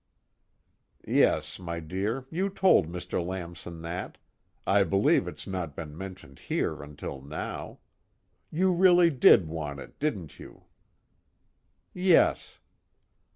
"Yes, my dear, you told Mr. Lamson that I believe it's not been mentioned here until now. You really did want it, didn't you?" "Yes."